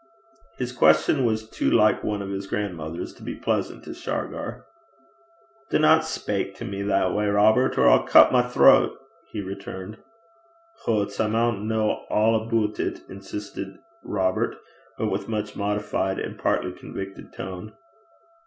His question was too like one of his grandmother's to be pleasant to Shargar. 'Dinna speyk to me that gait, Robert, or I'll cut my throat,' he returned. 'Hoots! I maun ken a' aboot it,' insisted Robert, but with much modified and partly convicted tone.